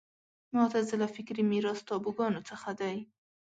معتزله فکري میراث تابوګانو څخه دی